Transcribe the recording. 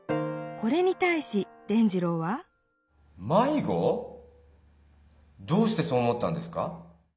これにたいし伝じろうはどうしてそう思ったんですか？